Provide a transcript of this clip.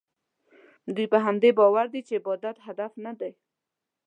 دوی په همدې باور دي چې عبادت هدف نه دی.